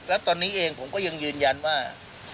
แล้วตอนนี้เองผมก็ยังยืนยันว่า